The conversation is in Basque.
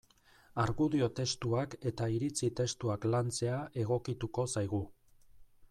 Argudio testuak eta iritzi testuak lantzea egokituko zaigu.